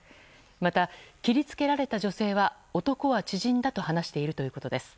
また、切り付けられた女性は男は知人だと話しているということです。